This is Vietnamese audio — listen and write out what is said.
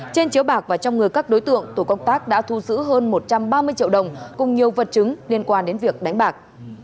trên chiếu bạc và trong người các đối tượng tổ công tác đã thu giữ hơn một trăm ba mươi triệu đồng cùng nhiều vật chứng liên quan đến việc đánh bạc